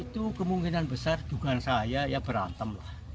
itu kemungkinan besar dugaan saya ya berantem lah